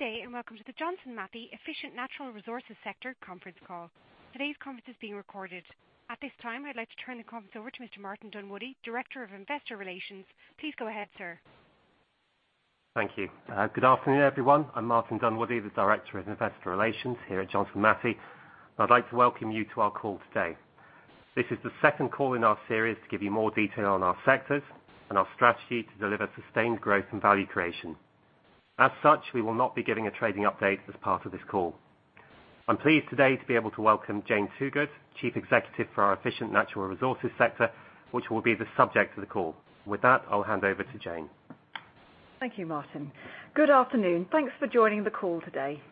Good day, welcome to the Johnson Matthey Efficient Natural Resources sector conference call. Today's conference is being recorded. At this time, I'd like to turn the conference over to Mr. Martin Dunwoodie, Director of Investor Relations. Please go ahead, sir. Thank you. Good afternoon, everyone. I'm Martin Dunwoodie, the Director of Investor Relations here at Johnson Matthey. I'd like to welcome you to our call today. This is the second call in our series to give you more detail on our sectors and our strategy to deliver sustained growth and value creation. As such, we will not be giving a trading update as part of this call. I'm pleased today to be able to welcome Jane Toogood, Chief Executive for our Efficient Natural Resources sector, which will be the subject of the call. With that, I'll hand over to Jane. Thank you, Martin. Good afternoon. Thanks for joining the call today.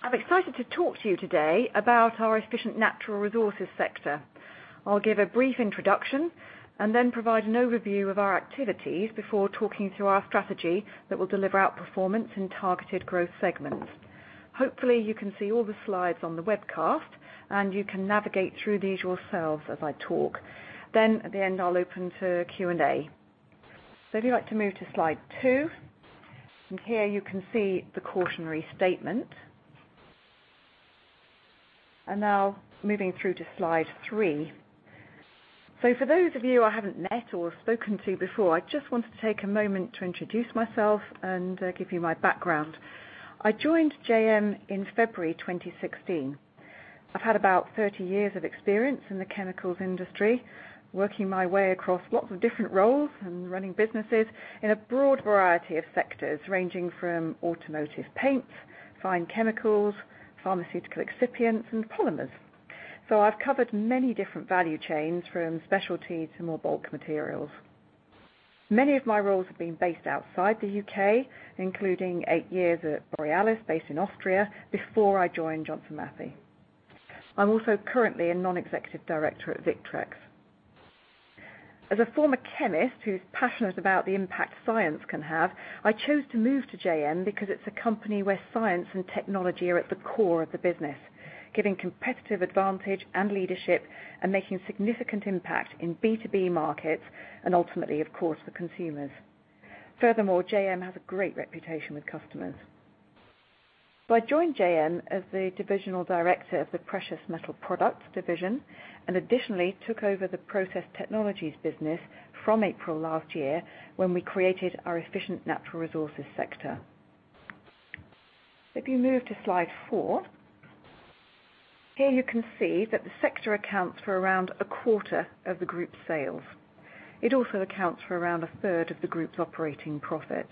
I'm excited to talk to you today about our Efficient Natural Resources sector. I'll give a brief introduction. Then provide an overview of our activities before talking through our strategy that will deliver outperformance in targeted growth segments. Hopefully, you can see all the slides on the webcast. You can navigate through these yourselves as I talk. At the end, I'll open to Q&A. If you'd like to move to slide two. From here, you can see the cautionary statement. Now moving through to slide three. For those of you I haven't met or spoken to before, I just wanted to take a moment to introduce myself and give you my background. I joined JM in February 2016. I've had about 30 years of experience in the chemicals industry, working my way across lots of different roles and running businesses in a broad variety of sectors, ranging from automotive paints, fine chemicals, pharmaceutical excipients, and polymers. I've covered many different value chains, from specialty to more bulk materials. Many of my roles have been based outside the U.K., including eight years at Borealis, based in Austria, before I joined Johnson Matthey. I'm also currently a non-executive director at Victrex. As a former chemist who's passionate about the impact science can have, I chose to move to JM because it's a company where science and technology are at the core of the business, giving competitive advantage and leadership and making a significant impact in B2B markets and ultimately, of course, for consumers. Furthermore, JM has a great reputation with customers. I joined JM as the Divisional Director of the Precious Metal Products Division and additionally took over the Process Technologies business from April last year when we created our Efficient Natural Resources sector. If you move to slide four. Here you can see that the sector accounts for around a quarter of the group sales. It also accounts for around a third of the group's operating profit.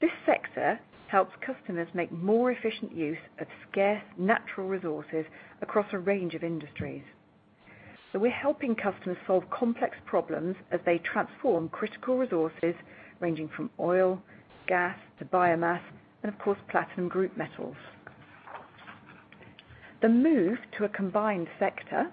This sector helps customers make more efficient use of scarce natural resources across a range of industries. We're helping customers solve complex problems as they transform critical resources ranging from oil, gas, to biomass, and of course, platinum group metals. The move to a combined sector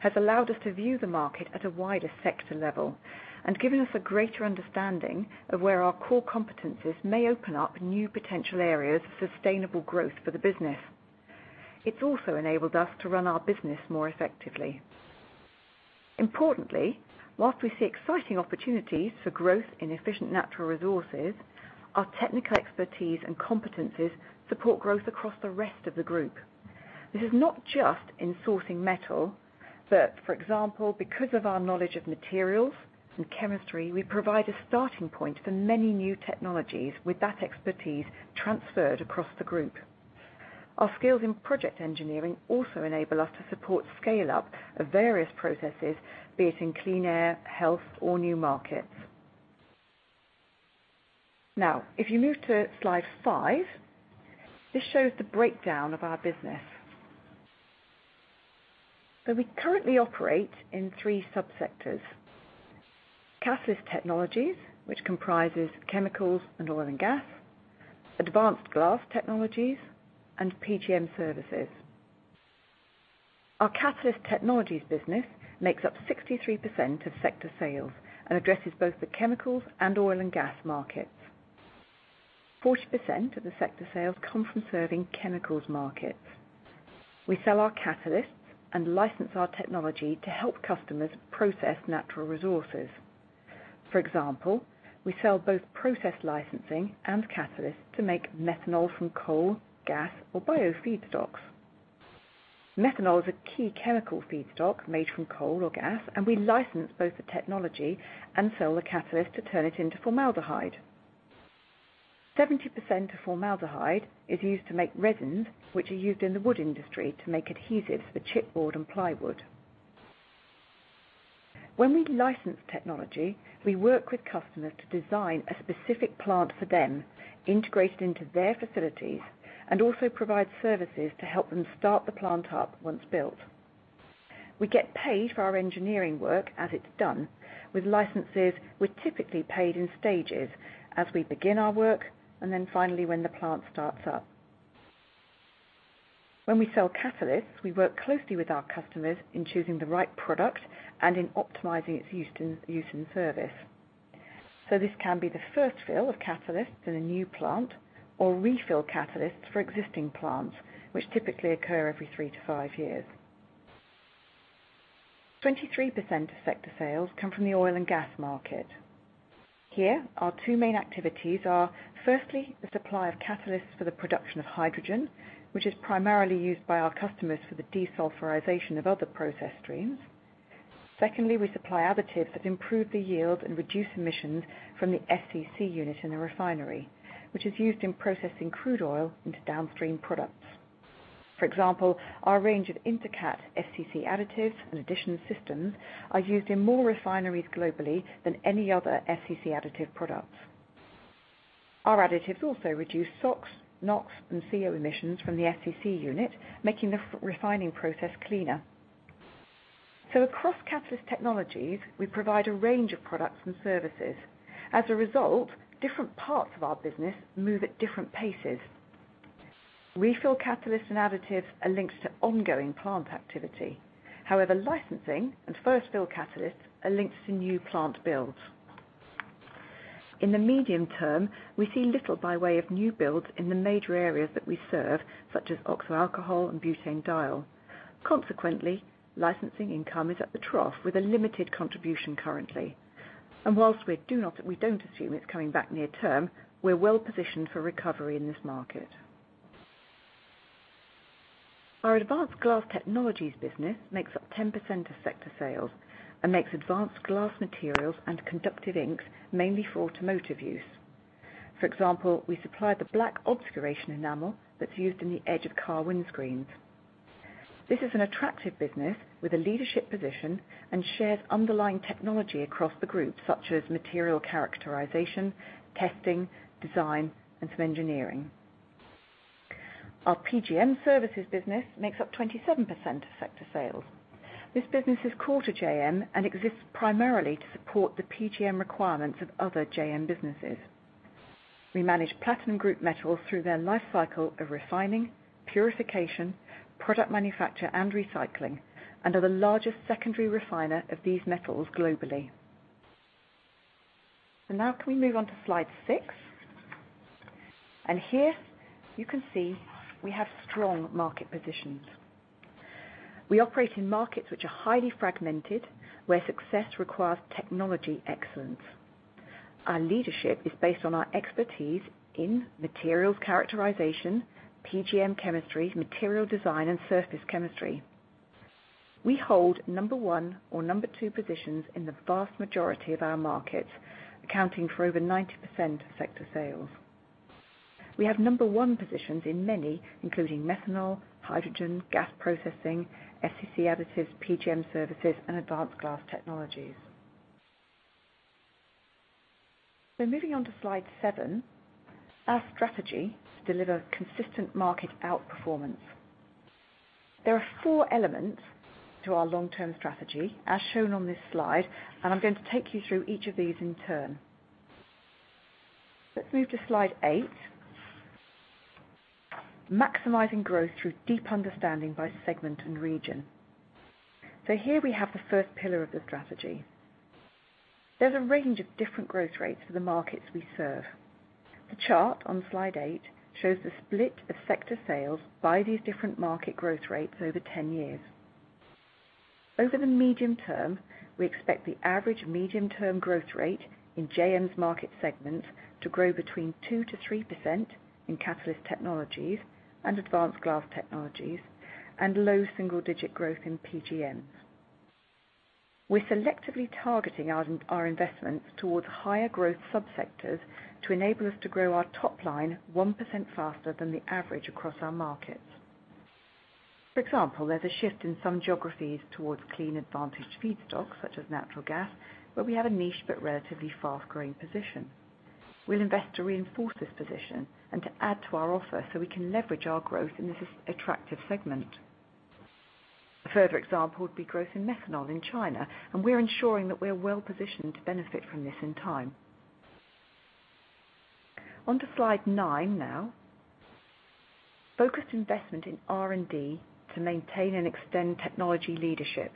has allowed us to view the market at a wider sector level and given us a greater understanding of where our core competencies may open up new potential areas of sustainable growth for the business. It's also enabled us to run our business more effectively. Importantly, whilst we see exciting opportunities for growth in Efficient Natural Resources, our technical expertise and competencies support growth across the rest of the group. This is not just in sourcing metal, but for example, because of our knowledge of materials and chemistry, we provide a starting point for many new technologies with that expertise transferred across the group. Our skills in project engineering also enable us to support scaleup of various processes, be it in clean air, health, or new markets. If you move to slide five, this shows the breakdown of our business. We currently operate in three subsectors: Catalyst Technologies, which comprises chemicals and oil and gas, Advanced Glass Technologies, and PGM Services. Our Catalyst Technologies business makes up 63% of sector sales and addresses both the chemicals and oil and gas markets. 40% of the sector sales come from serving chemicals markets. We sell our catalysts and license our technology to help customers process natural resources. For example, we sell both process licensing and catalysts to make methanol from coal, gas, or biofeedstocks. Methanol is a key chemical feedstock made from coal or gas, and we license both the technology and sell the catalyst to turn it into formaldehyde. 70% of formaldehyde is used to make resins, which are used in the wood industry to make adhesives for chipboard and plywood. When we license technology, we work with customers to design a specific plant for them, integrated into their facilities, and also provide services to help them start the plant up once built. We get paid for our engineering work as it's done. With licenses, we're typically paid in stages as we begin our work and then finally when the plant starts up. When we sell catalysts, we work closely with our customers in choosing the right product and in optimizing its use in service. This can be the first fill of catalysts in a new plant or refill catalysts for existing plants, which typically occur every 3-5 years. 23% of sector sales come from the oil and gas market. Here, our two main activities are firstly, the supply of catalysts for the production of hydrogen, which is primarily used by our customers for the desulfurization of other process streams. Secondly, we supply additives that improve the yield and reduce emissions from the FCC unit in a refinery, which is used in processing crude oil into downstream products. For example, our range of INTERCAT FCC additives and additional systems are used in more refineries globally than any other FCC additive products. Our additives also reduce SOx, NOx, and CO emissions from the FCC unit, making the refining process cleaner. Across Catalyst Technologies, we provide a range of products and services. As a result, different parts of our business move at different paces. Refill catalysts and additives are linked to ongoing plant activity. However, licensing and first-fill catalysts are linked to new plant builds. In the medium term, we see little by way of new builds in the major areas that we serve, such as oxo alcohol and butanediol. Consequently, licensing income is at the trough with a limited contribution currently. Whilst we don't assume it's coming back near term, we're well positioned for recovery in this market. Our Advanced Glass Technologies business makes up 10% of sector sales and makes advanced glass materials and conductive inks mainly for automotive use. For example, we supply the black obscuration enamel that's used in the edge of car windscreens. This is an attractive business with a leadership position and shared underlying technology across the group, such as material characterization, testing, design, and some engineering. Our PGM Services business makes up 27% of sector sales. This business is core to JM and exists primarily to support the PGM requirements of other JM businesses. We manage platinum group metals through their life cycle of refining, purification, product manufacture, and recycling, and are the largest secondary refiner of these metals globally. Now can we move on to slide six? Here you can see we have strong market positions. We operate in markets which are highly fragmented, where success requires technology excellence. Our leadership is based on our expertise in materials characterization, PGM chemistry, material design, and surface chemistry. We hold number one or number two positions in the vast majority of our markets, accounting for over 90% of sector sales. We have number one positions in many, including methanol, hydrogen, gas processing, FCC additives, PGM Services, and Advanced Glass Technologies. Moving on to slide seven. Our strategy to deliver consistent market outperformance. There are four elements to our long-term strategy, as shown on this slide, and I'm going to take you through each of these in turn. Let's move to slide eight. Maximizing growth through deep understanding by segment and region. Here we have the first pillar of the strategy. There's a range of different growth rates for the markets we serve. The chart on slide eight shows the split of sector sales by these different market growth rates over 10 years. Over the medium term, we expect the average medium-term growth rate in JM's market segments to grow between 2%-3% in Catalyst Technologies and Advanced Glass Technologies, and low single-digit growth in PGM. We're selectively targeting our investments towards higher growth sub-sectors to enable us to grow our top line 1% faster than the average across our markets. For example, there's a shift in some geographies towards clean advantaged feedstock, such as natural gas, where we have a niche but relatively fast-growing position. We'll invest to reinforce this position and to add to our offer so we can leverage our growth in this attractive segment. A further example would be growth in methanol in China, and we're ensuring that we're well-positioned to benefit from this in time. On to slide nine now. Focused investment in R&D to maintain and extend technology leadership.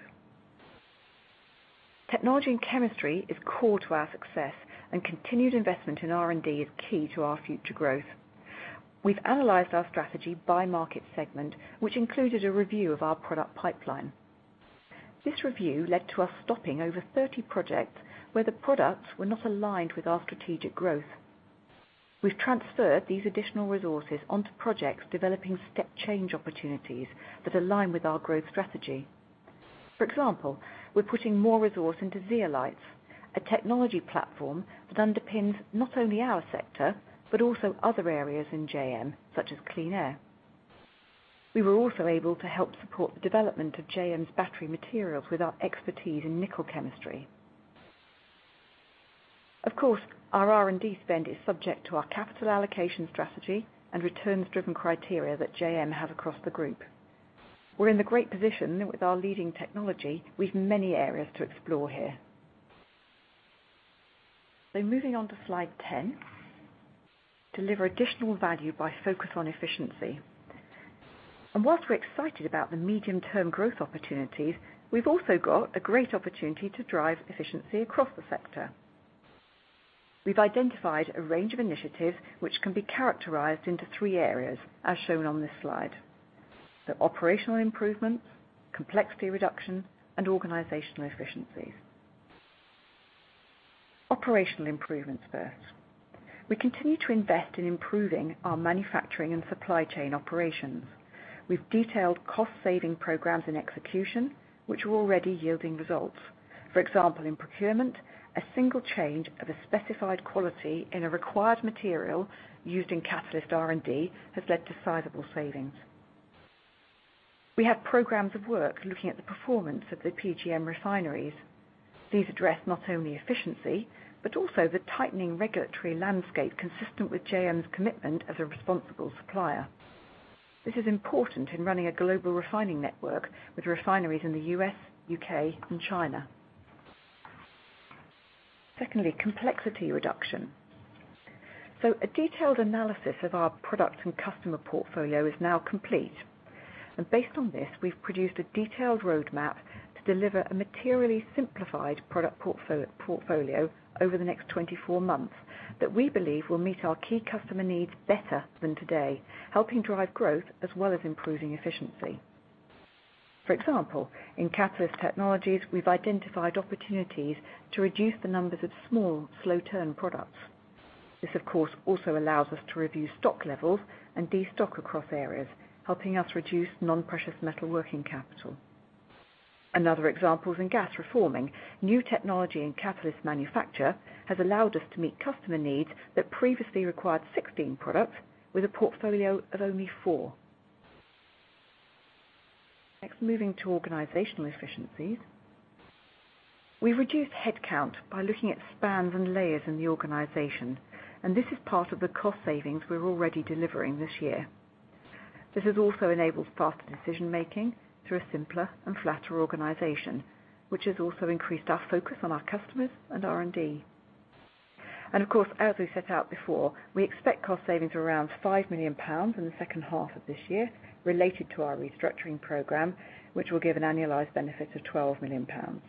Technology and chemistry is core to our success, and continued investment in R&D is key to our future growth. We've analyzed our strategy by market segment, which included a review of our product pipeline. This review led to us stopping over 30 projects where the products were not aligned with our strategic growth. We've transferred these additional resources onto projects developing step change opportunities that align with our growth strategy. For example, we're putting more resource into zeolites, a technology platform that underpins not only our sector but also other areas in JM, such as Clean Air. We were also able to help support the development of JM's battery materials with our expertise in nickel chemistry. Of course, our R&D spend is subject to our capital allocation strategy and returns-driven criteria that JM has across the group. We're in a great position with our leading technology. We've many areas to explore here. Moving on to slide 10. Deliver additional value by focus on efficiency. Whilst we're excited about the medium-term growth opportunities, we've also got a great opportunity to drive efficiency across the sector. We've identified a range of initiatives which can be characterized into three areas, as shown on this slide. Operational improvements, complexity reduction, and organizational efficiencies. Operational improvements first. We continue to invest in improving our manufacturing and supply chain operations. We've detailed cost-saving programs in execution, which are already yielding results. For example, in procurement, a single change of a specified quality in a required material used in catalyst R&D has led to sizable savings. We have programs of work looking at the performance of the PGM refineries. These address not only efficiency, but also the tightening regulatory landscape consistent with JM's commitment as a responsible supplier. This is important in running a global refining network with refineries in the U.S., U.K., and China. Secondly, complexity reduction. A detailed analysis of our product and customer portfolio is now complete. Based on this, we've produced a detailed roadmap to deliver a materially simplified product portfolio over the next 24 months that we believe will meet our key customer needs better than today, helping drive growth as well as improving efficiency. For example, in Catalyst Technologies, we've identified opportunities to reduce the numbers of small, slow turn products. This, of course, also allows us to review stock levels and destock across areas, helping us reduce non-precious metal working capital. Another example is in gas reforming. New technology in catalyst manufacture has allowed us to meet customer needs that previously required 16 products with a portfolio of only four. Next, moving to organizational efficiencies. We've reduced headcount by looking at spans and layers in the organization, and this is part of the cost savings we're already delivering this year. This has also enabled faster decision-making through a simpler and flatter organization, which has also increased our focus on our customers and R&D. Of course, as we set out before, we expect cost savings around 5 million pounds in the second half of this year related to our restructuring program, which will give an annualized benefit of 12 million pounds.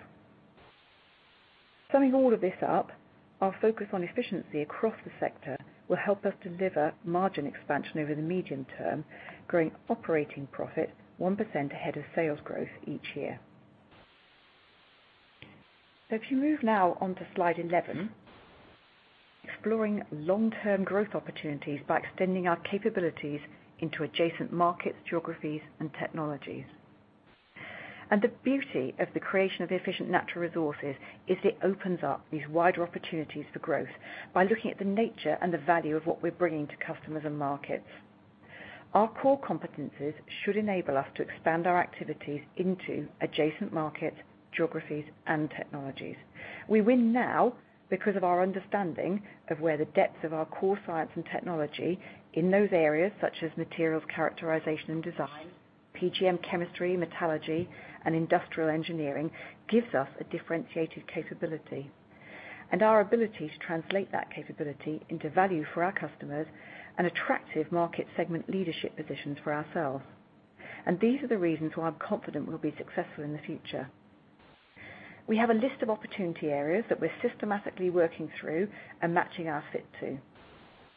Summing all of this up, our focus on efficiency across the sector will help us deliver margin expansion over the medium term, growing operating profit 1% ahead of sales growth each year. If you move now on to slide 11, exploring long-term growth opportunities by extending our capabilities into adjacent markets, geographies, and technologies. The beauty of the creation of Efficient Natural Resources is it opens up these wider opportunities for growth by looking at the nature and the value of what we're bringing to customers and markets. Our core competencies should enable us to expand our activities into adjacent markets, geographies, and technologies. We win now because of our understanding of where the depths of our core science and technology in those areas, such as materials characterization and design, PGM chemistry, metallurgy, and industrial engineering, gives us a differentiated capability. Our ability to translate that capability into value for our customers and attractive market segment leadership positions for ourselves. These are the reasons why I'm confident we'll be successful in the future. We have a list of opportunity areas that we're systematically working through and matching our fit to.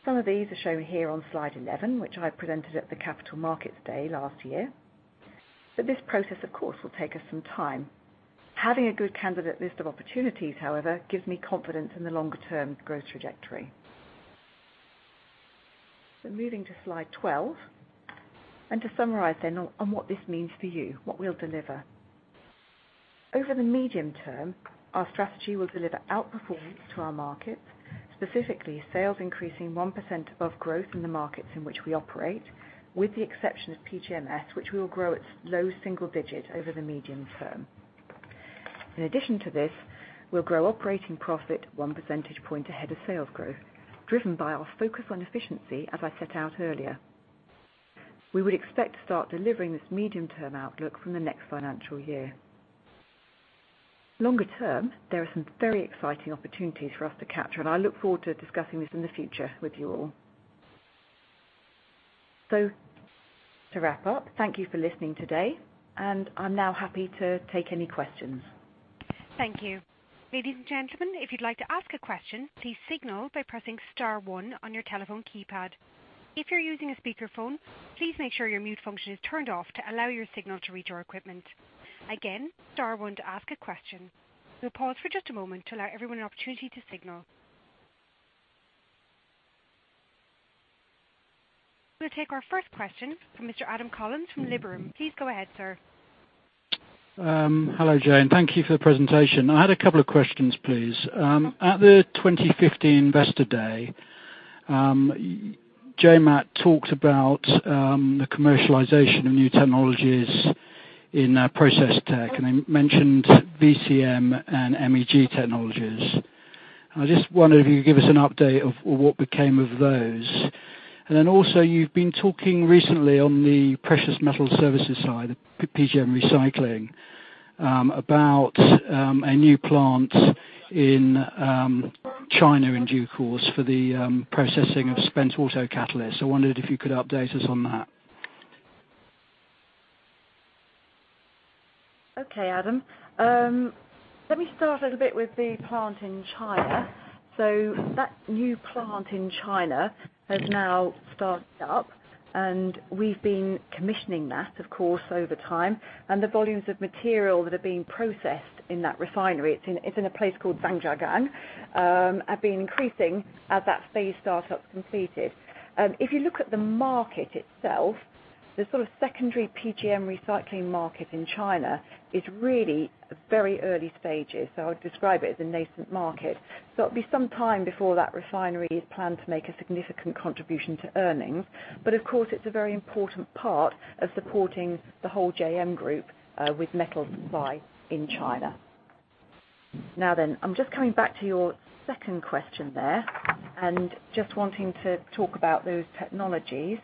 Some of these are shown here on slide 11, which I presented at the Capital Markets Day last year. This process, of course, will take us some time. Having a good candidate list of opportunities, however, gives me confidence in the longer-term growth trajectory. Moving to slide 12. To summarize then on what this means for you, what we'll deliver. Over the medium term, our strategy will deliver outperformance to our markets, specifically sales increasing 1% above growth in the markets in which we operate, with the exception of PGMS, which we will grow at low single digits over the medium term. In addition to this, we'll grow operating profit one percentage point ahead of sales growth, driven by our focus on efficiency, as I set out earlier. We would expect to start delivering this medium-term outlook from the next financial year. Longer term, there are some very exciting opportunities for us to capture, and I look forward to discussing this in the future with you all. To wrap up, thank you for listening today, and I'm now happy to take any questions. Thank you. Ladies and gentlemen, if you'd like to ask a question, please signal by pressing star one on your telephone keypad. If you're using a speakerphone, please make sure your mute function is turned off to allow your signal to reach our equipment. Again, star one to ask a question. We'll pause for just a moment to allow everyone an opportunity to signal. We'll take our first question from Mr. Adam Collins from Liberum. Please go ahead, sir. Hello, Jane. Thank you for the presentation. I had a couple of questions, please. At the 2015 Investor Day, JM talked about the commercialization of new technologies in Process Tech, They mentioned VCM and MEG technologies. I just wonder if you could give us an update of what became of those. Also, you've been talking recently on the PGM Services side, PGM recycling, about a new plant in China in due course for the processing of spent auto catalysts. I wondered if you could update us on that. Okay, Adam. Let me start a little bit with the plant in China. That new plant in China has now started up, we've been commissioning that, of course, over time. The volumes of material that are being processed in that refinery, it's in a place called Zhangjiagang, have been increasing as that phase start-up's completed. If you look at the market itself, the sort of secondary PGM recycling market in China is really very early stages. I would describe it as a nascent market. It'll be some time before that refinery is planned to make a significant contribution to earnings. Of course, it's a very important part of supporting the whole JM Group with metal supply in China. I'm just coming back to your second question there, just wanting to talk about those technologies.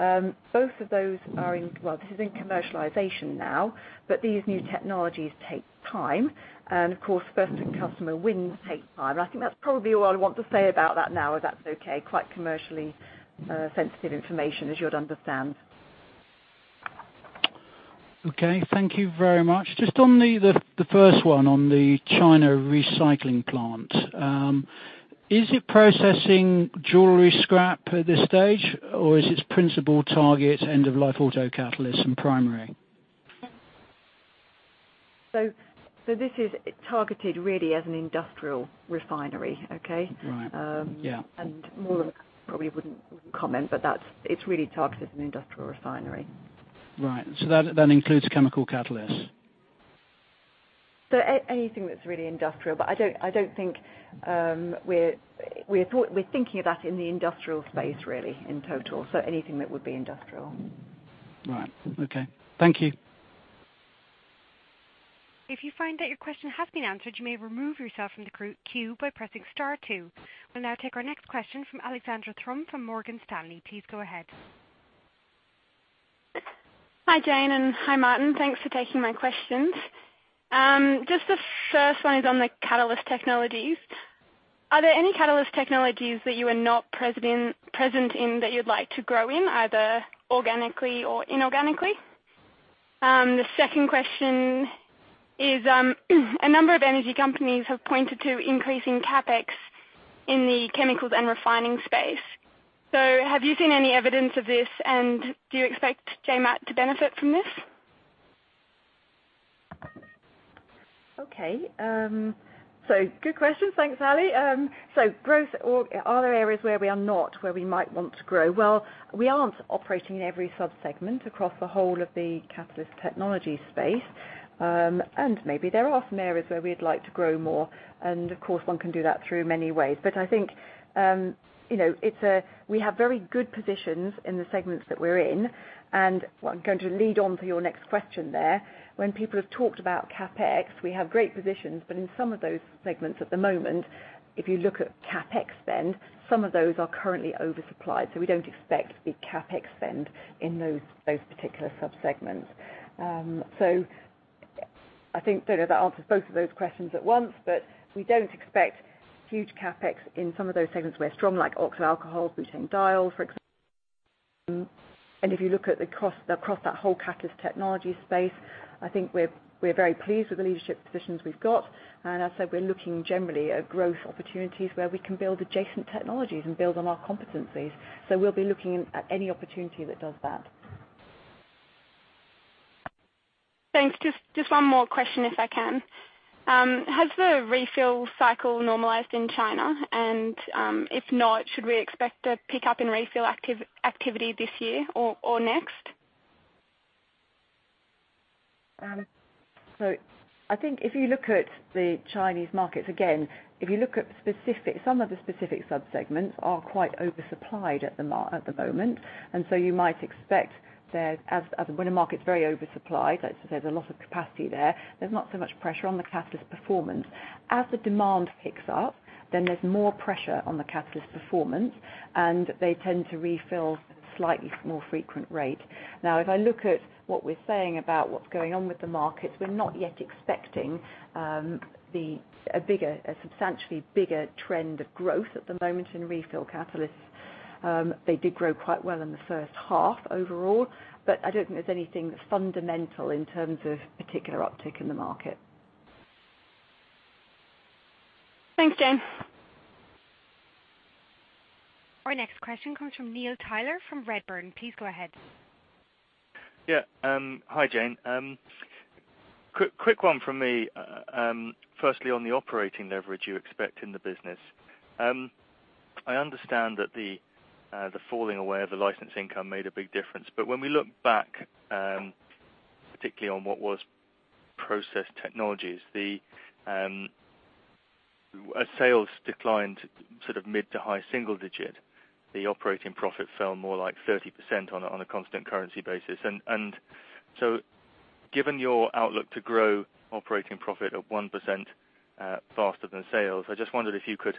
Both of those are in this is in commercialization now, These new technologies take time, of course, first in customer wins take time. I think that's probably all I want to say about that now, if that's okay. Quite commercially sensitive information, as you would understand. Okay. Thank you very much. Just on the first one, on the China recycling plant. Is it processing jewelry scrap at this stage, or is its principal target end-of-life auto catalyst and primary? This is targeted really as an industrial refinery. Okay? Right. Yeah. More than that, probably wouldn't comment, but it's really targeted as an industrial refinery. Right. That includes chemical catalysts. Anything that's really industrial, but I don't think we're thinking of that in the industrial space really, in total. Anything that would be industrial. Right. Okay. Thank you. If you find that your question has been answered, you may remove yourself from the queue by pressing star 2. We'll now take our next question from Alexandra Thrum from Morgan Stanley. Please go ahead. Hi, Jane, and hi, Martin. Thanks for taking my questions. Just the first one is on the Catalyst Technologies. Are there any Catalyst Technologies that you are not present in that you'd like to grow in, either organically or inorganically? The second question is, a number of energy companies have pointed to increasing CapEx in the chemicals and refining space. Have you seen any evidence of this, and do you expect JMAT to benefit from this? Okay. Good question. Thanks, Ally. Growth, or are there areas where we are not where we might want to grow? Well, we aren't operating in every sub-segment across the whole of the Catalyst Technologies space. Maybe there are some areas where we'd like to grow more, and of course, one can do that through many ways. I think, we have very good positions in the segments that we're in. I'm going to lead on to your next question there. When people have talked about CapEx, we have great positions, but in some of those segments at the moment, if you look at CapEx spend, some of those are currently oversupplied. We don't expect the CapEx spend in those particular sub-segments. I think, don't know if that answers both of those questions at once, but we don't expect huge CapEx in some of those segments where strong like oxo alcohol, butanediol, for example. If you look at across that whole Catalyst Technologies space, I think we're very pleased with the leadership positions we've got. As I said, we're looking generally at growth opportunities where we can build adjacent technologies and build on our competencies. We'll be looking at any opportunity that does that. Thanks. Just one more question, if I can. Has the refill cycle normalized in China? If not, should we expect a pickup in refill activity this year or next? I think if you look at the Chinese markets, again, if you look at specific, some of the specific sub-segments are quite oversupplied at the moment. You might expect there, when a market's very oversupplied, there's a lot of capacity there's not so much pressure on the catalyst performance. As the demand picks up, then there's more pressure on the catalyst performance, and they tend to refill slightly more frequent rate. Now, if I look at what we're saying about what's going on with the markets, we're not yet expecting a substantially bigger trend of growth at the moment in refill catalysts. They did grow quite well in the first half overall, but I don't think there's anything fundamental in terms of particular uptick in the market. Thanks, Jane. Our next question comes from Neil Tyler from Redburn. Please go ahead. Yeah. Hi, Jane. Quick one from me. Firstly, on the operating leverage you expect in the business. I understand that the falling away of the license income made a big difference, but when we look back, particularly on what was Process Technologies, as sales declined sort of mid to high single digit, the operating profit fell more like 30% on a constant currency basis. Given your outlook to grow operating profit of 1% faster than sales, I just wondered if you could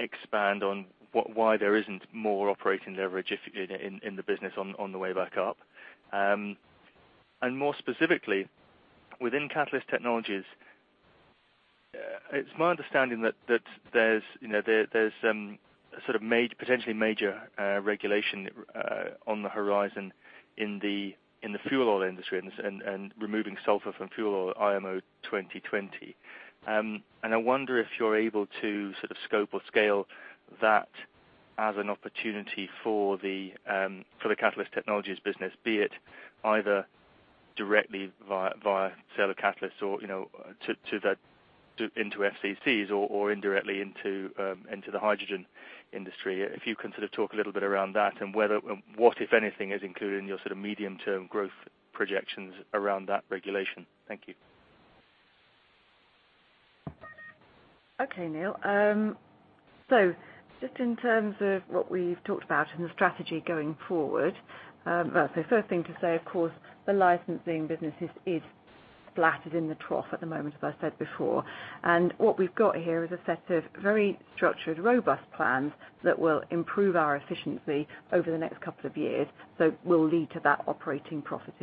expand on why there isn't more operating leverage in the business on the way back up. More specifically, within Catalyst Technologies, it's my understanding that there's sort of potentially major regulation on the horizon in the fuel oil industry and removing sulfur from fuel oil, IMO 2020. I wonder if you're able to scope or scale that as an opportunity for the Catalyst Technologies business, be it either directly via sale of catalysts or into FCCs or indirectly into the hydrogen industry. If you can talk a little bit around that and what, if anything, is included in your medium-term growth projections around that regulation. Thank you. Okay, Neil. Just in terms of what we've talked about and the strategy going forward. First thing to say, of course, the licensing business is flat in the trough at the moment, as I said before. What we've got here is a set of very structured, robust plans that will improve our efficiency over the next couple of years, will lead to that operating profit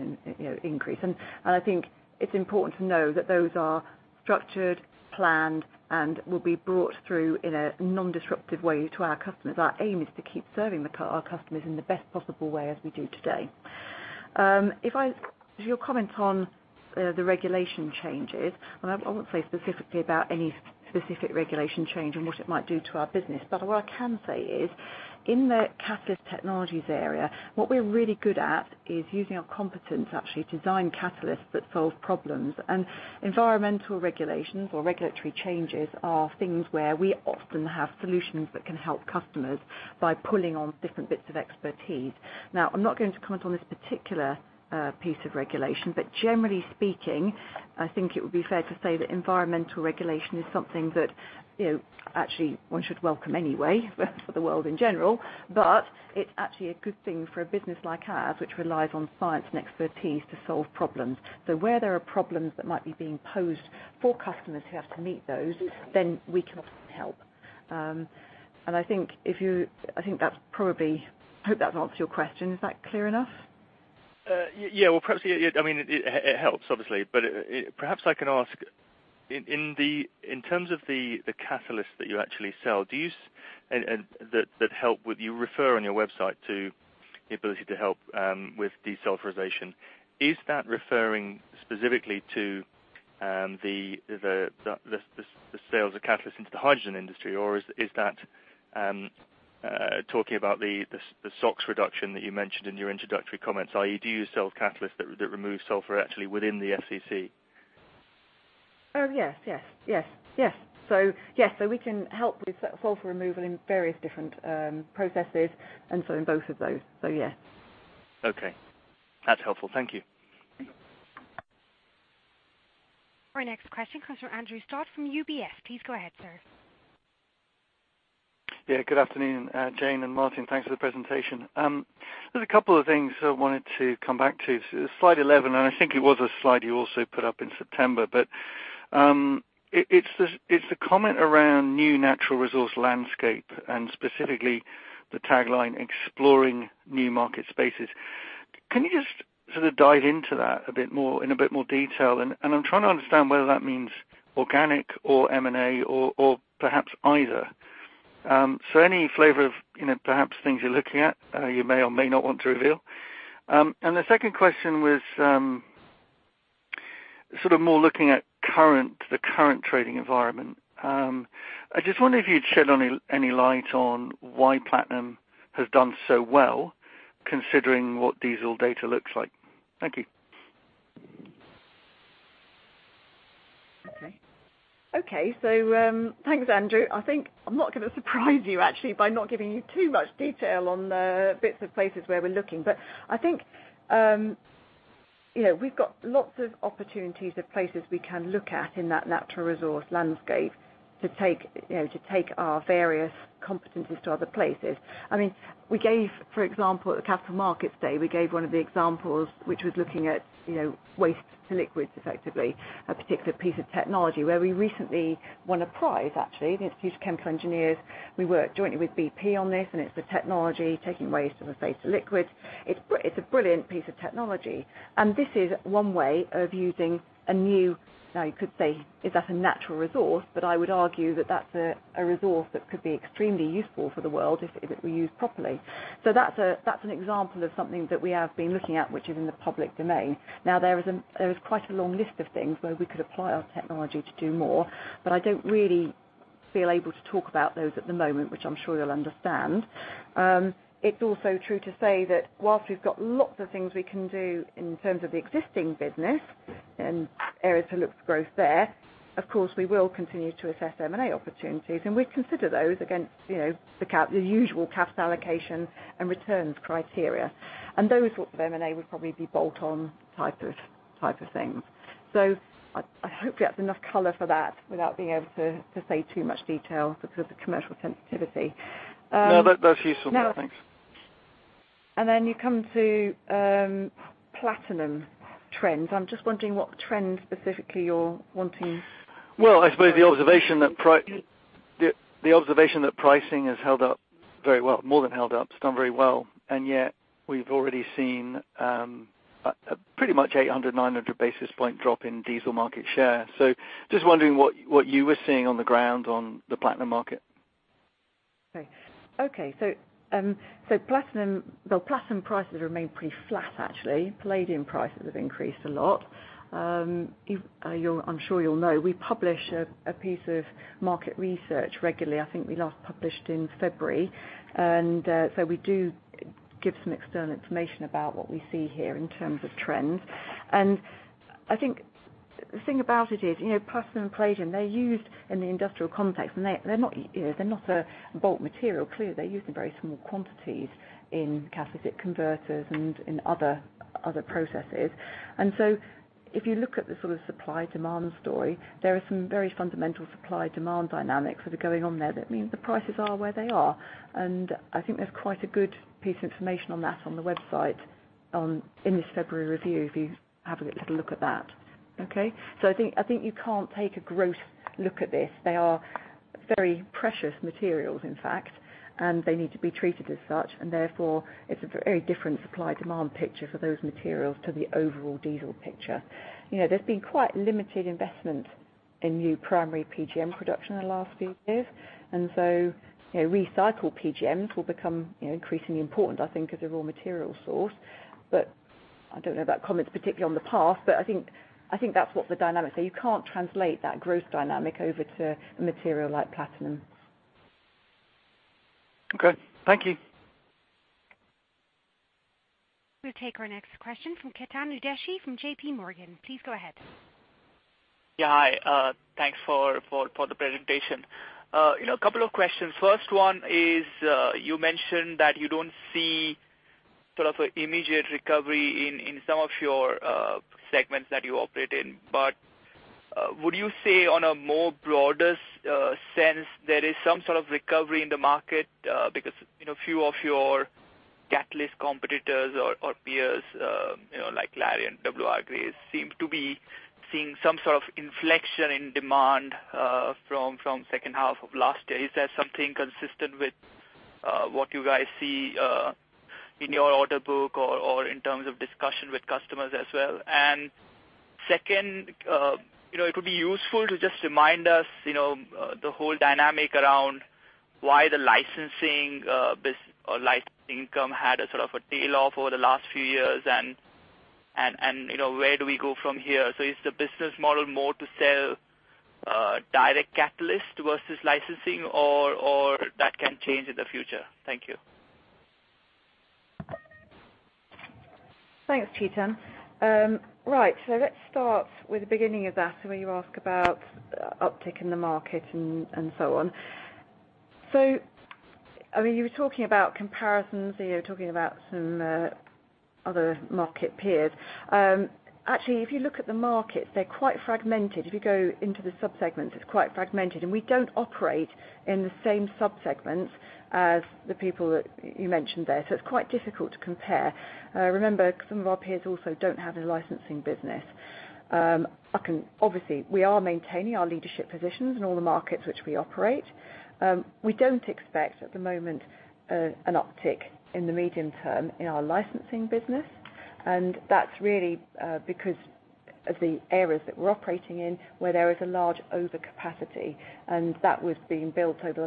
increase. I think it's important to know that those are structured, planned, and will be brought through in a non-disruptive way to our customers. Our aim is to keep serving our customers in the best possible way as we do today. Your comment on the regulation changes. I won't say specifically about any specific regulation change and what it might do to our business. What I can say is, in the Catalyst Technologies area, what we're really good at is using our competence, actually, to design catalysts that solve problems. Environmental regulations or regulatory changes are things where we often have solutions that can help customers by pulling on different bits of expertise. I'm not going to comment on this particular piece of regulation, generally speaking, I think it would be fair to say that environmental regulation is something that, actually, one should welcome anyway for the world in general. It's actually a good thing for a business like ours, which relies on science and expertise to solve problems. Where there are problems that might be being posed for customers who have to meet those, then we can often help. I hope that's answered your question. Is that clear enough? Yeah. It helps, obviously. Perhaps I can ask, in terms of the catalysts that you actually sell that help, you refer on your website to the ability to help with desulfurization. Is that referring specifically to the sales of catalysts into the hydrogen industry, or is that talking about the SOx reduction that you mentioned in your introductory comments, i.e., do you sell catalysts that remove sulfur actually within the FCC? Oh, yes. We can help with sulfur removal in various different processes in both of those. Yes. Okay. That's helpful. Thank you. Our next question comes from Andrew Stott from UBS. Please go ahead, sir. Yeah, good afternoon, Jane and Martin. Thanks for the presentation. There's a couple of things I wanted to come back to. Slide 11, I think it was a slide you also put up in September. It's the comment around new natural resource landscape and specifically the tagline "exploring new market spaces." Can you just sort of dive into that in a bit more detail? I'm trying to understand whether that means organic or M&A or perhaps either. Any flavor of perhaps things you're looking at, you may or may not want to reveal. The second question was sort of more looking at the current trading environment. I just wonder if you'd shed any light on why platinum has done so well, considering what diesel data looks like. Thank you. Okay. Thanks, Andrew. I think I'm not going to surprise you actually by not giving you too much detail on the bits and places where we're looking. I think we've got lots of opportunities of places we can look at in that natural resource landscape to take our various competencies to other places. For example, at the Capital Markets Day, we gave one of the examples, which was looking at waste to liquids, effectively. A particular piece of technology where we recently won a prize, actually, the Institution of Chemical Engineers. We worked jointly with BP on this, and it's a technology taking away some of the waste to liquid. It's a brilliant piece of technology. This is one way of using a new, now you could say, is that a natural resource? I would argue that that's a resource that could be extremely useful for the world if it were used properly. That's an example of something that we have been looking at, which is in the public domain. There is quite a long list of things where we could apply our technology to do more, I don't really feel able to talk about those at the moment, which I'm sure you'll understand. It's also true to say that whilst we've got lots of things we can do in terms of the existing business and areas to look for growth there, of course, we will continue to assess M&A opportunities, and we consider those against the usual capital allocation and returns criteria. Those sorts of M&A would probably be bolt-on type of things. I hope that's enough color for that without being able to say too much detail because of commercial sensitivity. No, that's useful. Thanks. You come to platinum trends. I'm just wondering what trends specifically you're wanting. I suppose the observation that pricing has held up very well, more than held up, it's done very well, and yet we've already seen a pretty much 800, 900 basis point drop in diesel market share. Just wondering what you were seeing on the ground on the platinum market. Okay. Platinum prices remain pretty flat, actually. Palladium prices have increased a lot. I'm sure you'll know, we publish a piece of market research regularly. I think we last published in February. We do give some external information about what we see here in terms of trends. I think the thing about it is, platinum and palladium, they're used in the industrial context, and they're not a bulk material. Clearly, they're used in very small quantities in catalytic converters and in other processes. If you look at the sort of supply-demand story, there are some very fundamental supply-demand dynamics that are going on there that mean the prices are where they are. I think there's quite a good piece of information on that on the website in this February review, if you have a little look at that. Okay. I think you can't take a gross look at this. They are very precious materials, in fact, and they need to be treated as such, and therefore it's a very different supply-demand picture for those materials to the overall diesel picture. There's been quite limited investment in new primary PGM production in the last few years, recycled PGMs will become increasingly important, I think, as a raw material source. I don't know about comments particularly on the past, but I think that's what the dynamics are. You can't translate that growth dynamic over to a material like platinum. Okay. Thank you. We'll take our next question from Chetan Udeshi from JPMorgan. Please go ahead. Yeah, hi. Thanks for the presentation. A couple of questions. First one is, you mentioned that you don't see sort of an immediate recovery in some of your segments that you operate in. Would you say on a more broader sense there is some sort of recovery in the market? Because a few of your catalyst competitors or peers, like Clariant, W. R. Grace seem to be seeing some sort of inflection in demand from second half of last year. Is that something consistent with what you guys see in your order book or in terms of discussion with customers as well? Second, it could be useful to just remind us the whole dynamic around why the licensing income had a sort of a tail off over the last few years and where do we go from here? Is the business model more to sell direct catalyst versus licensing, or that can change in the future? Thank you. Thanks, Chetan Udeshi. Right. Let's start with the beginning of that, where you ask about uptick in the market and so on. You were talking about comparisons, talking about some other market peers. Actually, if you look at the markets, they're quite fragmented. If you go into the subsegments, it's quite fragmented, and we don't operate in the same subsegments as the people that you mentioned there. It's quite difficult to compare. Remember, some of our peers also don't have a licensing business. Obviously, we are maintaining our leadership positions in all the markets which we operate. We don't expect, at the moment, an uptick in the medium term in our licensing business. That's really because of the areas that we're operating in where there is a large overcapacity. That was being built over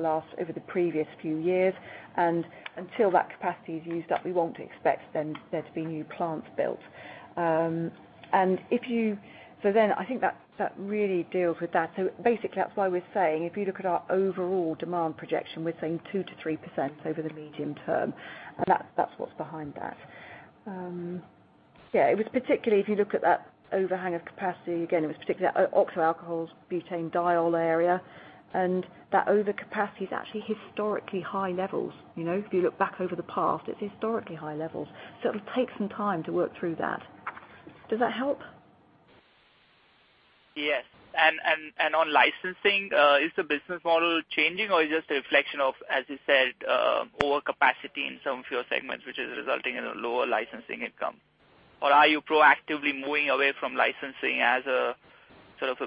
the previous few years. Until that capacity is used up, we won't expect there to be new plants built. I think that really deals with that. Basically that's why we're saying, if you look at our overall demand projection, we're saying 2%-3% over the medium term. That's what's behind that. Yeah, it was particularly if you look at that overhang of capacity, again, it was particularly oxo alcohols, butanediol area. That overcapacity is actually historically high levels. If you look back over the past, it's historically high levels. It will take some time to work through that. Does that help? Yes. On licensing, is the business model changing, or is this a reflection of, as you said, overcapacity in some of your segments, which is resulting in a lower licensing income? Are you proactively moving away from licensing as a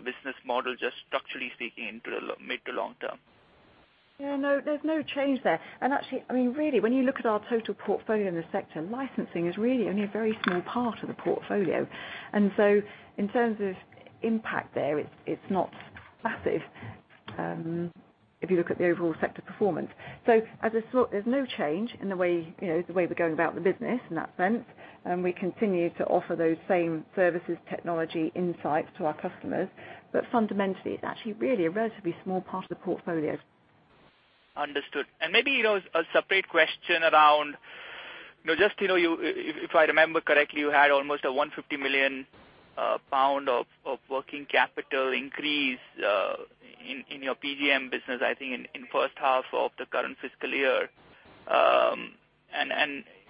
business model, just structurally speaking, into the mid to long term? Yeah, no, there's no change there. Actually, really, when you look at our total portfolio in the sector, licensing is really only a very small part of the portfolio. In terms of impact there, it's not massive, if you look at the overall sector performance. As I said, there's no change in the way we're going about the business in that sense. We continue to offer those same services, technology insights to our customers. Fundamentally, it's actually really a relatively small part of the portfolio. Understood. Maybe a separate question around, if I remember correctly, you had almost 150 million pound of working capital increase in your PGM business, I think in first half of the current fiscal year.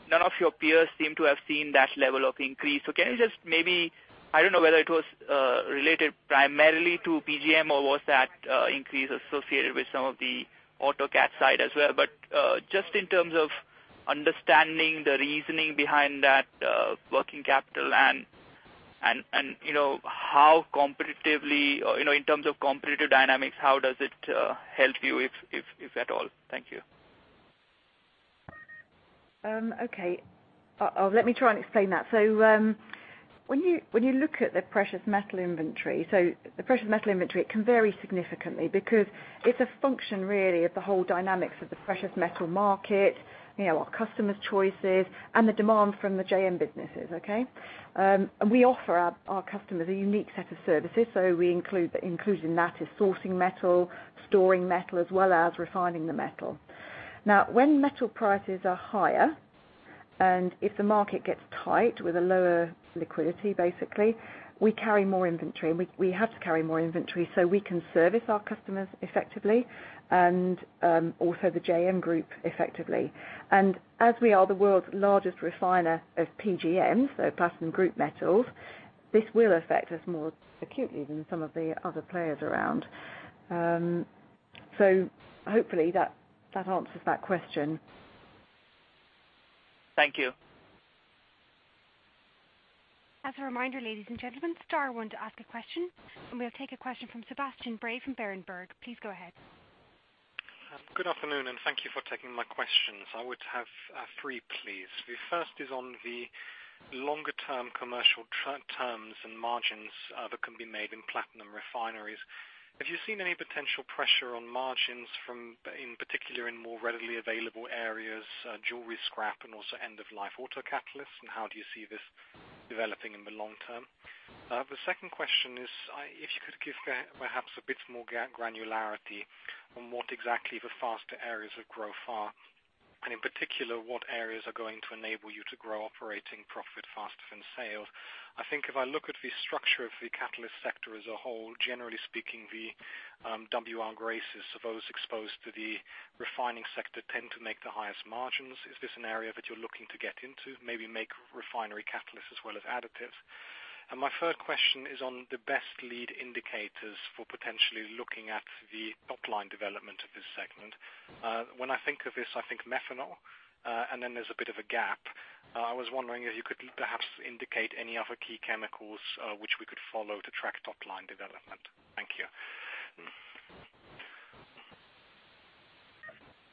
None of your peers seem to have seen that level of increase. Can you just maybe, I don't know whether it was related primarily to PGM or was that increase associated with some of the auto cat side as well, but just in terms of understanding the reasoning behind that working capital and how competitively, in terms of competitive dynamics, how does it help you, if at all? Thank you. Okay. Let me try and explain that. When you look at the precious metal inventory, it can vary significantly because it's a function really of the whole dynamics of the precious metal market, our customers' choices, and the demand from the JM businesses. Okay. We offer our customers a unique set of services. Included in that is sourcing metal, storing metal, as well as refining the metal. When metal prices are higher, and if the market gets tight with a lower liquidity, basically, we carry more inventory, and we have to carry more inventory so we can service our customers effectively and also the JM group effectively. As we are the world's largest refiner of PGM, so platinum group metals, this will affect us more acutely than some of the other players around. Hopefully that answers that question. Thank you. As a reminder, ladies and gentlemen, star 1 to ask a question. We'll take a question from Sebastian Bray from Berenberg. Please go ahead. Good afternoon. Thank you for taking my questions. I would have three, please. The first is on the longer-term commercial terms and margins that can be made in platinum refineries. Have you seen any potential pressure on margins from, in particular, in more readily available areas, jewelry, scrap, and also end-of-life auto catalysts? How do you see this developing in the long term? The second question is if you could give perhaps a bit more granularity on what exactly the faster areas of growth are, and in particular, what areas are going to enable you to grow operating profit faster than sales. I think if I look at the structure of the catalyst sector as a whole, generally speaking, the W. R. Graces of those exposed to the refining sector tend to make the highest margins. Is this an area that you're looking to get into? Maybe make refinery catalysts as well as additives. My third question is on the best lead indicators for potentially looking at the top-line development of this segment. When I think of this, I think methanol, then there's a bit of a gap. I was wondering if you could perhaps indicate any other key chemicals which we could follow to track top-line development. Thank you.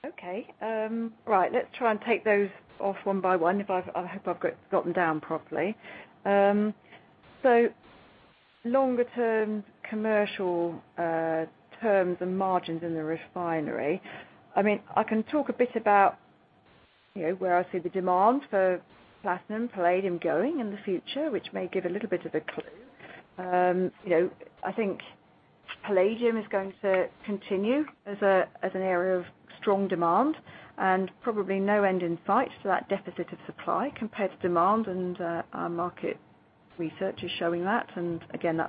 Okay. Right. Let's try and take those off one by one. I hope I've got them down properly. Longer-term commercial terms and margins in the refinery. I can talk a bit about where I see the demand for platinum palladium going in the future, which may give a little bit of a clue. I think palladium is going to continue as an area of strong demand and probably no end in sight to that deficit of supply compared to demand. Our market research is showing that. Again,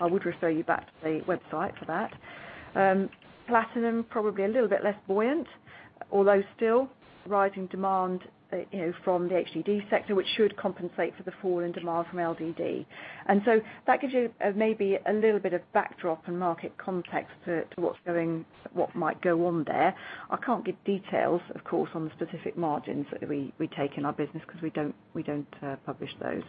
I would refer you back to the website for that. Platinum, probably a little bit less buoyant, although still rising demand from the HDD sector, which should compensate for the fall in demand from LDD. That gives you maybe a little bit of backdrop and market context to what might go on there. I can't give details, of course, on the specific margins that we take in our business because we don't publish those.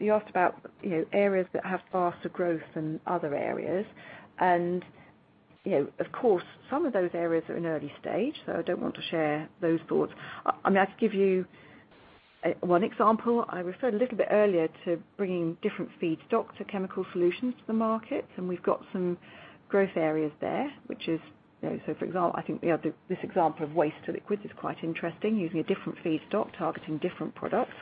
You asked about areas that have faster growth than other areas. Of course, some of those areas are in early stage, so I don't want to share those thoughts. I could give you one example. I referred a little bit earlier to bringing different feedstock to chemical solutions to the market, and we've got some growth areas there. I think this example of waste to liquids is quite interesting, using a different feedstock, targeting different products.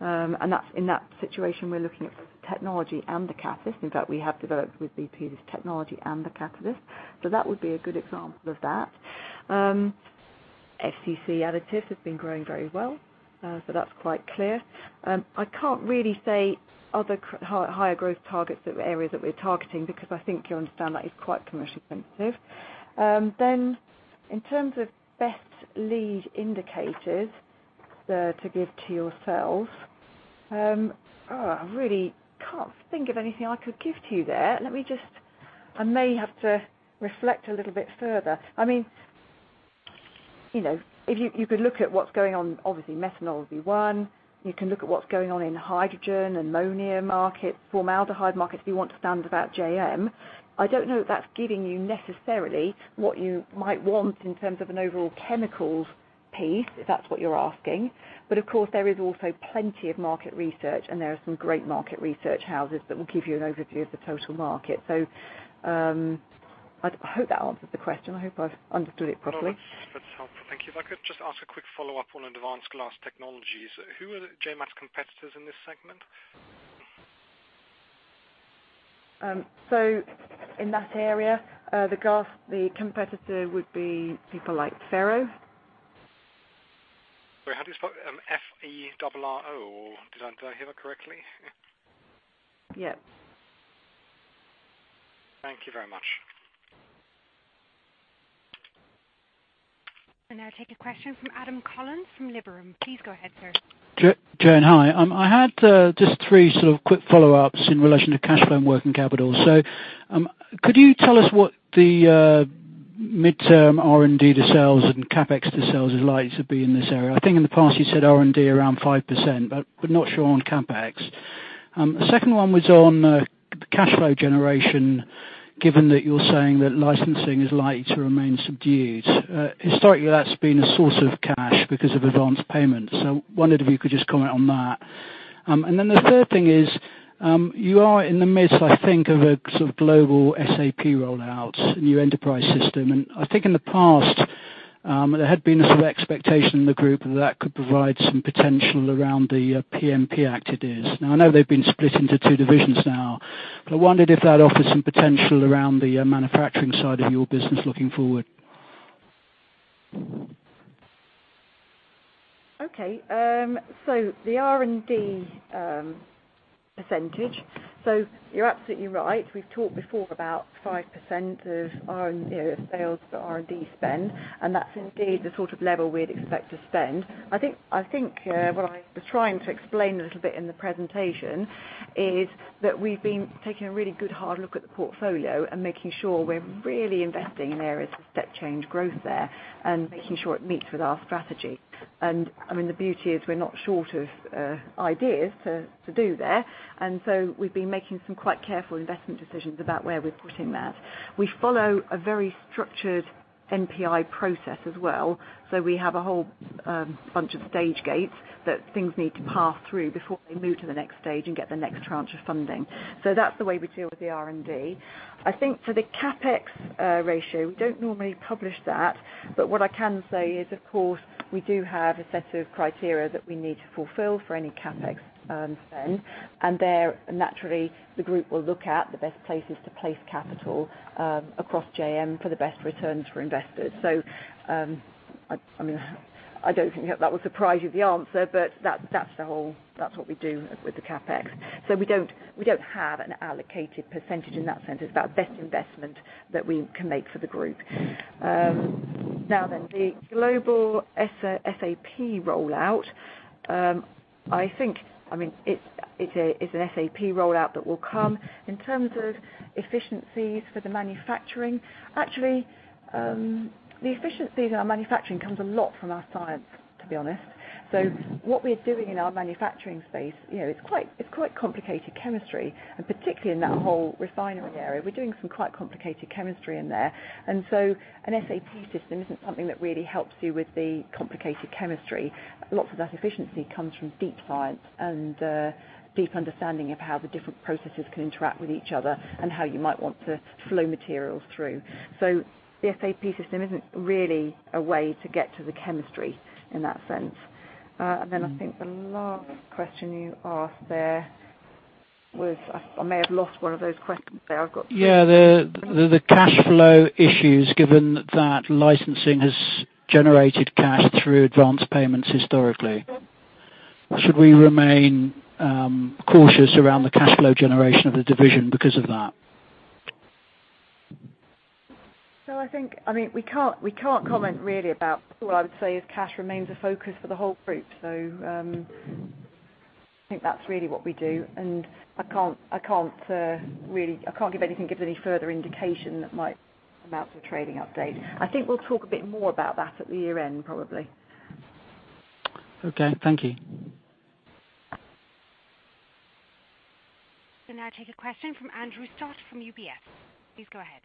In that situation, we're looking at technology and the catalyst. In fact, we have developed with BP this technology and the catalyst. That would be a good example of that. FCC additives have been growing very well, that's quite clear. I can't really say other higher growth targets that were areas that we're targeting because I think you understand that is quite commercially sensitive. In terms of best lead indicators to give to yourselves, I really can't think of anything I could give to you there. I may have to reflect a little bit further. You could look at what's going on, obviously, methanol would be one. You can look at what's going on in hydrogen, ammonia markets, formaldehyde markets, if you want to stand about JM. I don't know if that's giving you necessarily what you might want in terms of an overall chemicals piece, if that's what you're asking. Of course, there is also plenty of market research, and there are some great market research houses that will give you an overview of the total market. I hope that answers the question. I hope I've understood it properly. That's helpful. Thank you. If I could just ask a quick follow-up on Advanced Glass Technologies. Who are JMAT's competitors in this segment? In that area, the competitor would be people like Ferro. Sorry, how do you spell it? F-E-R-R-O, or did I hear that correctly? Yes. Thank you very much. I'll now take a question from Adam Collins from Liberum. Please go ahead, sir. Jane, hi. I had just three sort of quick follow-ups in relation to cash flow and working capital. Could you tell us what the midterm R&D to sales and CapEx to sales is likely to be in this area. I think in the past you said R&D around 5%, but we're not sure on CapEx. Second one was on cash flow generation, given that you're saying that licensing is likely to remain subdued. Historically, that's been a source of cash because of advanced payment. Wondered if you could just comment on that. The third thing is, you are in the midst, I think, of a sort of global SAP rollout, a new enterprise system. I think in the past, there had been a sort of expectation in the group that that could provide some potential around the PGM activities. Now, I know they've been split into two divisions now, I wondered if that offers some potential around the manufacturing side of your business looking forward. The R&D percentage. You're absolutely right, we've talked before about 5% of sales to R&D spend, that's indeed the sort of level we'd expect to spend. I think what I was trying to explain a little bit in the presentation is that we've been taking a really good hard look at the portfolio and making sure we're really investing in areas of step change growth there, and making sure it meets with our strategy. I mean, the beauty is we're not short of ideas to do there, we've been making some quite careful investment decisions about where we're putting that. We follow a very structured NPI process as well. We have a whole bunch of stage gates that things need to pass through before they move to the next stage and get the next tranche of funding. That's the way we deal with the R&D. I think for the CapEx ratio, we don't normally publish that, what I can say is, of course, we do have a set of criteria that we need to fulfill for any CapEx spend. There, naturally, the group will look at the best places to place capital across JM for the best returns for investors. I don't think that would surprise you, the answer, that's what we do with the CapEx. We don't have an allocated percentage in that sense. It's about best investment that we can make for the group. The global SAP rollout. It's an SAP rollout that will come. In terms of efficiencies for the manufacturing. Actually, the efficiencies in our manufacturing comes a lot from our science, to be honest. What we are doing in our manufacturing space, it's quite complicated chemistry. Particularly in that whole refinery area, we're doing some quite complicated chemistry in there. An SAP system isn't something that really helps you with the complicated chemistry. Lots of that efficiency comes from deep science and deep understanding of how the different processes can interact with each other, and how you might want to flow materials through. The SAP system isn't really a way to get to the chemistry in that sense. I think the last question you asked there was, I may have lost one of those questions there. I've got two. Yeah. The cash flow issues given that licensing has generated cash through advanced payments historically. Should we remain cautious around the cash flow generation of the division because of that? I think we can't comment really about. All I would say is cash remains a focus for the whole group. I think that's really what we do, and I can't give any further indication that might amount to a trading update. I think we'll talk a bit more about that at the year-end, probably. Okay. Thank you. We'll now take a question from Andrew Stott from UBS. Please go ahead.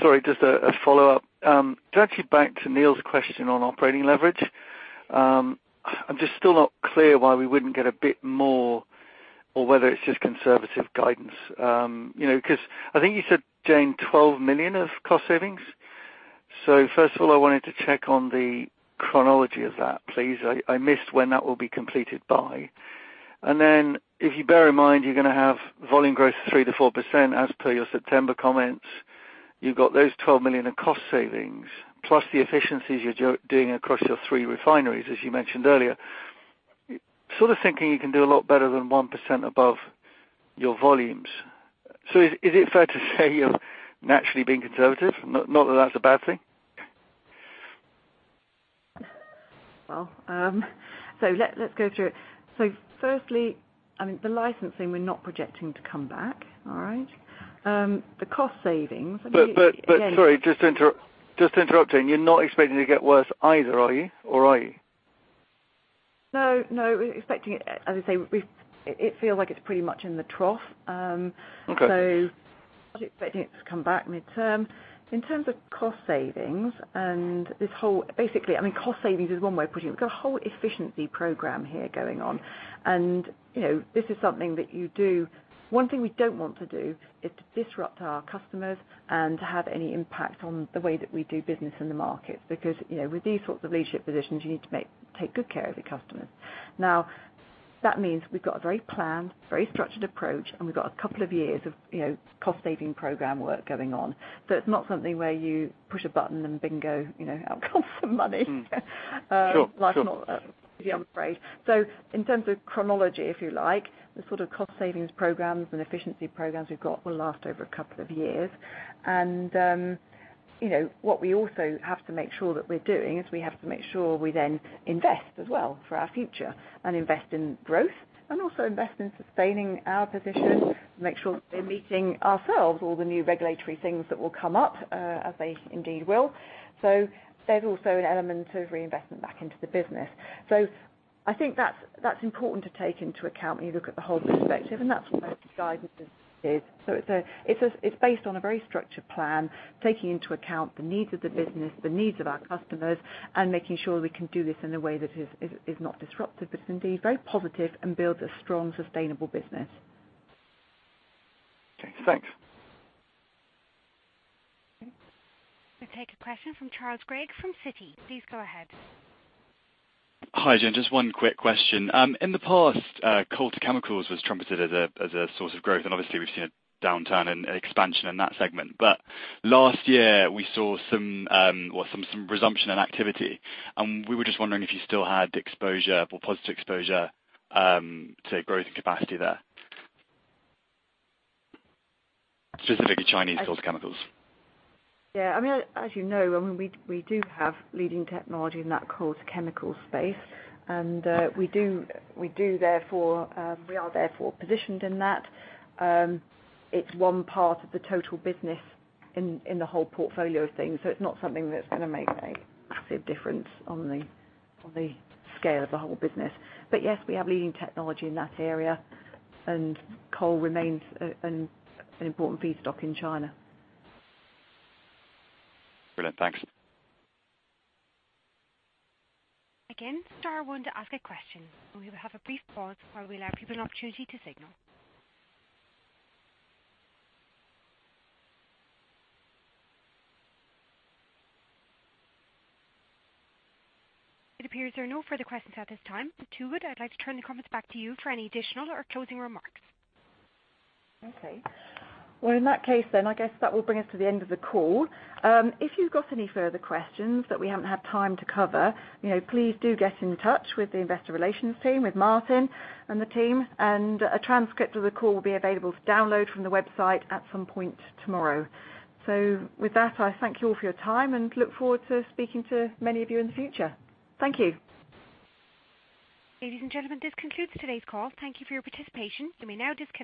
Sorry, just a follow-up to actually back to Neil's question on operating leverage. I'm just still not clear why we wouldn't get a bit more or whether it's just conservative guidance. I think you said, Jane, 12 million of cost savings. First of all, I wanted to check on the chronology of that, please. I missed when that will be completed by. If you bear in mind, you're going to have volume growth 3%-4% as per your September comments. You've got those 12 million in cost savings plus the efficiencies you're doing across your three refineries, as you mentioned earlier. Sort of thinking you can do a lot better than 1% above your volumes. Is it fair to say you're naturally being conservative? Not that that's a bad thing. Let's go through it. Firstly, the licensing we're not projecting to come back. All right. The cost savings- Sorry, just interrupting. You're not expecting to get worse either, are you? Or are you? No. As I say, it feels like it's pretty much in the trough. Okay. Not expecting it to come back midterm. In terms of cost savings, basically, cost savings is one way of putting it. We've got a whole efficiency program here going on. This is something that you do. One thing we don't want to do is to disrupt our customers and to have any impact on the way that we do business in the markets. With these sorts of leadership positions, you need to take good care of your customers. That means we've got a very planned, very structured approach, and we've got a couple of years of cost saving program work going on. It's not something where you push a button and bingo, out comes the money. Sure. Life's not that easy, I'm afraid. In terms of chronology, if you like, the sort of cost savings programs and efficiency programs we've got will last over a couple of years. What we also have to make sure that we're doing, is we have to make sure we then invest as well for our future, and invest in growth, and also invest in sustaining our position to make sure that we're meeting ourselves, all the new regulatory things that will come up, as they indeed will. There's also an element of reinvestment back into the business. I think that's important to take into account when you look at the whole perspective, and that's what most of the guidance is. It's based on a very structured plan, taking into account the needs of the business, the needs of our customers, and making sure we can do this in a way that is not disruptive, but is indeed very positive and builds a strong, sustainable business. Okay, thanks. We'll take a question from Charles Greig from Citi. Please go ahead. Hi, Jane. Just one quick question. In the past, coal to chemicals was trumpeted as a source of growth, obviously, we've seen a downturn in expansion in that segment. Last year we saw some resumption in activity. We were just wondering if you still had exposure or positive exposure to growth and capacity there. Specifically Chinese coal to chemicals. Yeah. As you know, we do have leading technology in that coal to chemical space, we are therefore positioned in that. It's one part of the total business in the whole portfolio of things, it's not something that's going to make a massive difference on the scale of the whole business. Yes, we have leading technology in that area, coal remains an important feedstock in China. Brilliant. Thanks. Again, star one to ask a question. We will have a brief pause while we allow people an opportunity to signal. It appears there are no further questions at this time. Toogood, I'd like to turn the conference back to you for any additional or closing remarks. Okay. Well, in that case then, I guess that will bring us to the end of the call. If you've got any further questions that we haven't had time to cover, please do get in touch with the investor relations team, with Martin and the team. A transcript of the call will be available to download from the website at some point tomorrow. With that, I thank you all for your time and look forward to speaking to many of you in the future. Thank you. Ladies and gentlemen, this concludes today's call. Thank you for your participation. You may now disconnect.